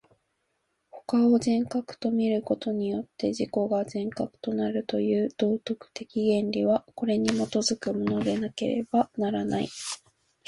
他を人格と見ることによって自己が人格となるという道徳的原理は、これに基づくものでなければならない。